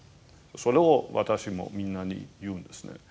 それを私もみんなに言うんですね。